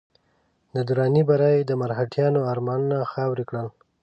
د دراني بري د مرهټیانو ارمانونه خاورې کړل.